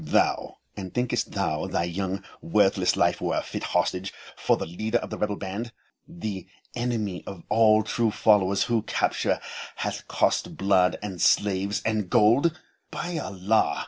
Moh'd. Thou! and thinkest thou thy young, worthless life were a fit hostage for the leader of a rebel band, the enemy of all true followers, whose capture hath cost blood and slaves and gold? By Allah!